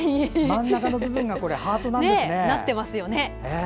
真ん中の部分がハートなんですね。